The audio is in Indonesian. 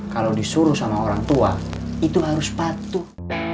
kalau disuruh sama orang tua itu harus patuh